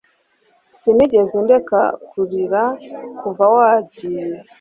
sinigeze ndeka kurira kuva wagiye